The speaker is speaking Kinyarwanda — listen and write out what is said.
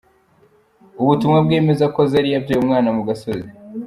Ubutumwa bwemeza ko Zari yabyaye umwana mu gasozi.